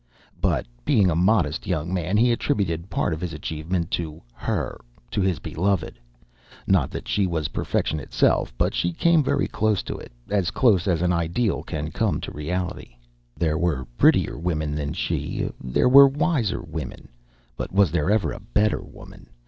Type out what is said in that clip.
But, being a modest young man, he attributed part of his achievement to her to his beloved. Not that she was perfection itself, but she came very close to it, as close as an ideal can come to reality. There were prettier women than she, there were wiser women, but was there ever a better woman?